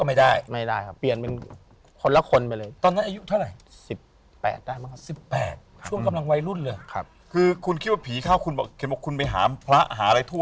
พอเดินถึงม้ายเท้าเดินมา